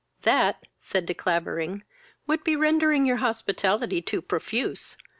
"That (said De Clavering) would be rendering your hospitality too profuse.